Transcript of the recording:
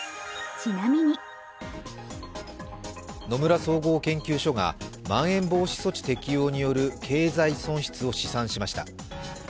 野村総合研究所がまん延防止措置適用による経済損失を試算しました。